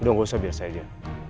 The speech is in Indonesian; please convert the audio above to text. udah gak usah biasa aja